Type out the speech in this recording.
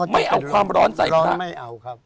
ไม่เอาความร้อนใส่พระ